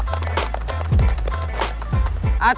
acara kerja bakti kita membersihkan jalan